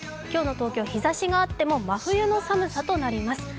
今日の東京、日ざしがあっても真冬の寒さとなります。